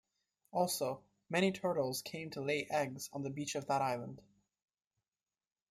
Also many turtles came to lay eggs on the beach of that island.